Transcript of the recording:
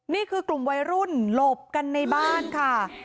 นี่คือกลุ่มวัยรุ่นหลบกันในบ้านค่ะ